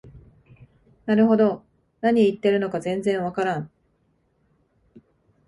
なるほど、何言ってるのか全然わからん